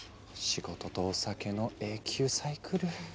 仕事とお酒の永久サイクル。